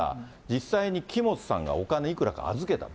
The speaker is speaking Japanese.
実際に木本さんがお金、いくらか預けた。